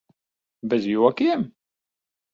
Bez jokiem?